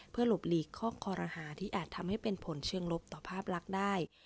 หลบหลีกข้อคอรหาที่อาจทำให้เป็นผลเชิงลบต่อภาพลักษณ์ได้